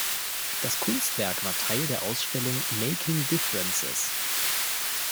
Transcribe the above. Das Kunstwerk war Teil der Ausstellung Making Differences.